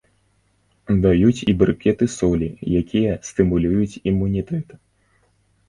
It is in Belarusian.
Даюць і брыкеты солі, якія стымулююць імунітэт.